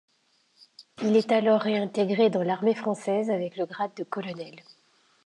Il est alors réintégré dans l'armée française avec le grade de colonel.